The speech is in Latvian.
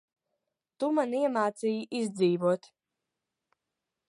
Tu man iemācīji izdzīvot.